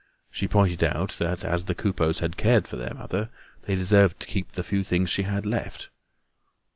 She pointed out that as the Coupeaus had cared for their mother, they deserved to keep the few things she had left.